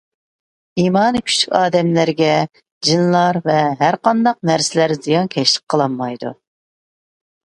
ئىمانى كۈچلۈك ئادەملەرگە جىنلار ۋە ھەرقانداق نەرسىلەر زىيانكەشلىك قىلالمايدۇ.